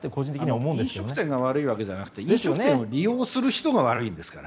飲食店が悪いんではなくて利用する人が悪いんですから。